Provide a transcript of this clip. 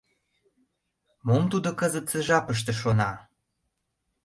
Мом тудо кызытсе жапыште шона?